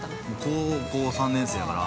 ◆高校３年生だから。